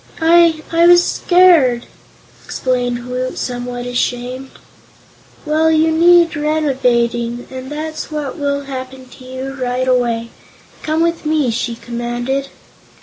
"I I was scared," explained Woot, somewhat ashamed. "Well, you need renovating, and that's what will happen to you, right away. Come with me!" she commanded.